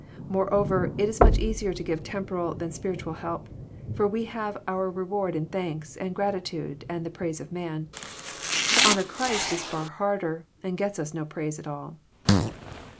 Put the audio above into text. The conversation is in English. Moreover, it is much easier to give temporal than spiritual help, for we have our re ward in thanks, and gratitude, and the praise of man. To hon. our Christ is far harder, and gets us no praise at all.